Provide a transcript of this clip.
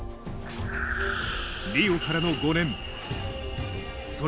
リオからの５年。